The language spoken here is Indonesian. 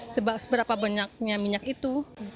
seberapa banyaknya minyak itu